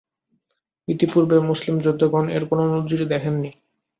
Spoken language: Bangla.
ইতিপূর্বে মুসলিম যোদ্ধাগণ এর কোন নজীর দেখেননি।